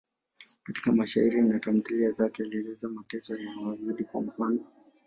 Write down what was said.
Katika mashairi na tamthiliya zake alieleza mateso ya Wayahudi, kwa mfano.